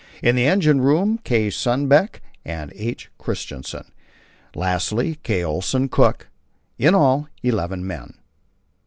In the engine room: K. Sundbeck and H. Kristensen. Lastly, K. Olsen, cook. In all eleven men.